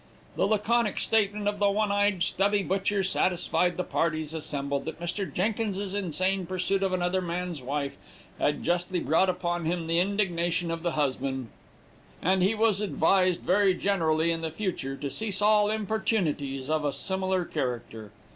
"The laconic statement of the one eyed stubby butcher satisfied the parties assembled that Mr. Jenkins's insane pursuit of another man's wife had justly brought upon him the indignation of the husband, and he was advised very generally, in the future, to cease all importunities of a similar character.